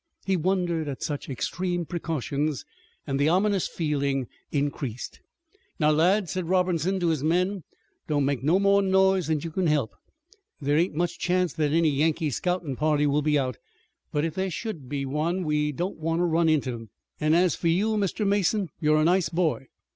He wondered at such extreme precautions, and the ominous feeling increased. "Now, lads," said Robertson to his men, "don't make no more noise than you can help. There ain't much chance that any Yankee scoutin' party will be out, but if there should be one we don't want to run into it. An' as for you, Mr. Mason, you're a nice boy.